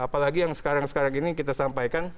apalagi yang sekarang sekarang ini kita sampaikan